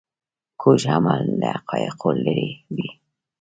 کوږ عمل له حقایقو لیرې وي